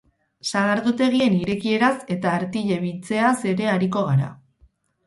Sagardotegien irekieraz eta artile biltzeaz ere ariko gara.